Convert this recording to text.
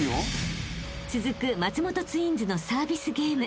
［続く松本ツインズのサービスゲーム］